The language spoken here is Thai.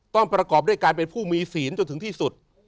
ประกอบด้วยการเป็นผู้มีศีลจนถึงที่สุด